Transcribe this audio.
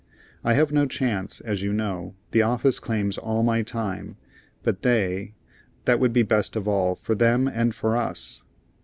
I have no chance, as you know. The office claims all my time. But they that would be best of all, for them and for us."